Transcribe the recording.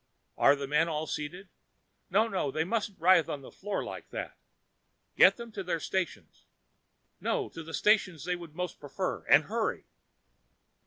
Are the men all seated? No, no, they mustn't writhe about the floor like that. Get them to their stations no, to the stations they would most prefer. And hurry!"